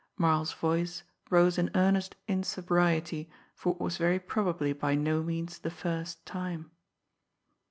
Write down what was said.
Marles' voice rose in earnest insobriety for what was very probably by no means the first time.